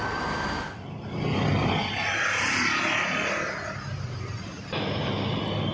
pemudik yang berhenti di bahu jalan menjadi salah satu penyebab terjadinya kepadatan arus lalu lintas